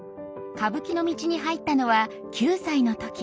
歌舞伎の道に入ったのは９歳の時。